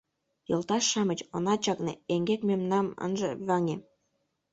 Йолташ-шамыч, она чакне, Эҥгек мемнам ынже ваҥе!..»